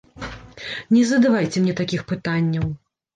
Не задавайце мне такіх пытанняў.